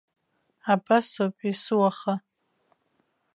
Абасоуп есуаха.